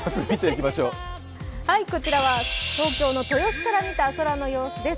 こちらは東京の豊洲から見た空の様子です。